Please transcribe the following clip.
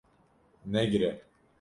Negire